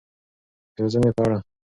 د روزنې په اړه.